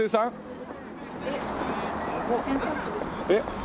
えっ？